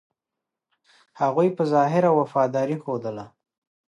هغوی په ظاهره وفاداري ښودله.